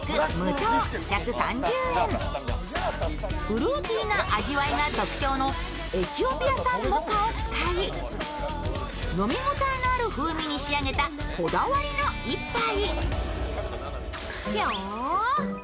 フルーティーな味わいが特徴のエチオピア産モカを使い、飲み応えのある風味に仕上げたこだわりの一杯。